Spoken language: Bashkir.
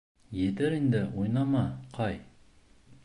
Етәр инде уйнама, Кай.